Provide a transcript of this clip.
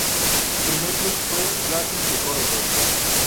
Su primer club fue Racing de Córdoba.